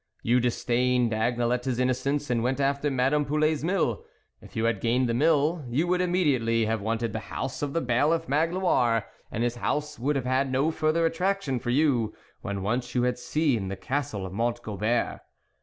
You disdained Agnelette's innocence, and went after Madame Poulet's mill ; if you had gained the mill, you would immediately have wanted the house of the Bailiff Magloire ; and his house would have had no further attraction for you when once you had seen the Castle of Mont Gobert.